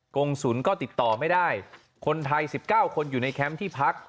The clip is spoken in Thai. กงศุลก็ติดต่อไม่ได้คนไทยสิบเก้าคนอยู่ในแคมป์ที่พัก